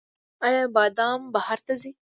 آیا بادام بهر ته ځي؟